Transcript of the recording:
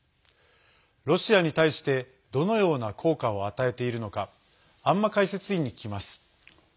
ロシアに対してどのような効果を与えているのか安間解説委員に聞きます。